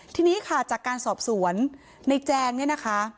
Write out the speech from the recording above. ทีนี้ค่ะจากการสอบสวนในแจงเนี่ยนะคะ